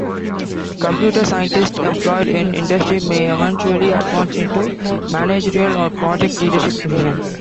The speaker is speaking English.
Computer scientists employed in industry may eventually advance into managerial or project leadership positions.